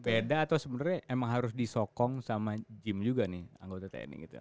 beda atau sebenarnya emang harus disokong sama gym juga nih anggota tni gitu ya